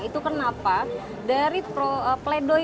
itu kenapa dari pledoi mereka seluruhnya ditolak oleh majelis hakim